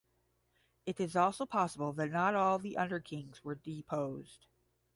It is also possible that not all the underkings were deposed.